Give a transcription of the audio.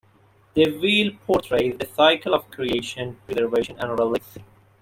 The wheel portrays the cycle of creation, preservation and release.